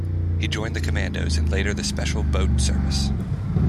He joined the Commandos and later the Special Boat Service.